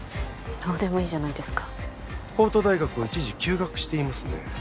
どうでもいいじゃないですか法都大学を一時休学していますね